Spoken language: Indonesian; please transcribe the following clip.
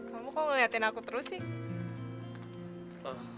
kamu kalau ngeliatin aku terus sih